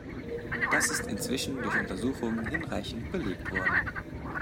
Das ist inzwischen durch Untersuchungen hinreichend belegt worden.